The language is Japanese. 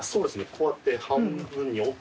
こうやって半分に折って。